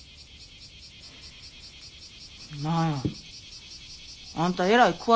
何やあんたえらい詳しいな。